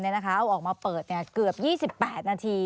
เอาออกมาเปิดเกือบ๒๘นาที